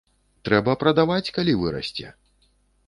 Трэба прадаваць, калі вырасце!